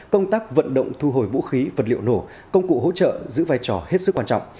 công tác vận động thu hồi vũ khí vật liệu nổ công cụ hỗ trợ giữ vai trò hết sức quan trọng